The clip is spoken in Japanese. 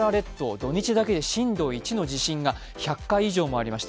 土日だけで震度１以上の地震が１００回以上もありました。